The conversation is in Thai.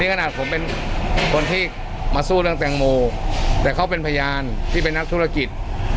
ขนาดผมเป็นคนที่มาสู้เรื่องแตงโมแต่เขาเป็นพยานที่เป็นนักธุรกิจ